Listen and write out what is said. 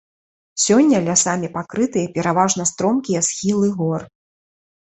Сёння лясамі пакрытыя пераважна стромкія схілы гор.